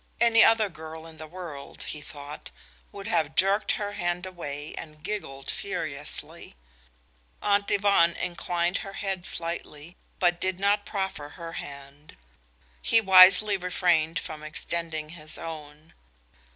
Any other girl in the world, he thought, would have jerked her hand away and giggled furiously. Aunt Yvonne inclined her head slightly, but did not proffer her hand. He wisely refrained from extending his own.